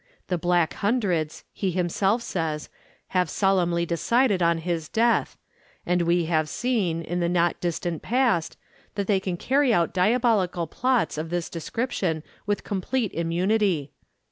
The Black Hundreds, he himself says, have solemnly decided on his death, and we have seen, in the not distant past, that they can carry out diabolical plots of this description with complete immunity....